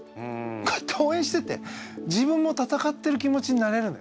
こうやって応援してて自分も戦ってる気持ちになれるのよ。